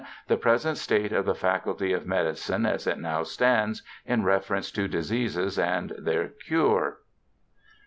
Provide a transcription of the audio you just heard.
The present state of the faculty of medicine as it now stands, in reference to diseases and their cure.